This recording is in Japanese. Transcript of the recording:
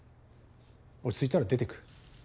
落ち着いたら出てく。